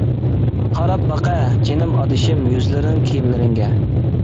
-قاراپ باقە، جېنىم ئادىشىم يۈزلىرىڭ، كىيىملىرىڭگە!